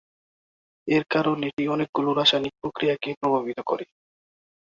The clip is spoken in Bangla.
এর কারণ এটি অনেকগুলি রাসায়নিক প্রক্রিয়াকে প্রভাবিত করে।